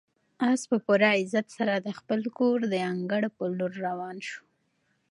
آس په پوره عزت سره د خپل کور د انګړ په لور روان شو.